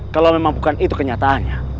kalau memang bukan itu kenyataannya